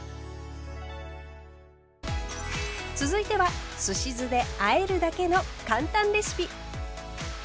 続いてはすし酢であえるだけの簡単レシピ。